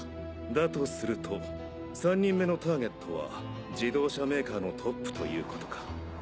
だとすると３人目のターゲットは自動車メーカーのトップということか。